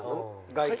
外見？